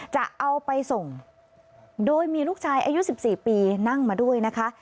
จะเอาไปส่งโดยมีลูกชายอายุ๑๔ปีนั่งมาด้วยนะคะ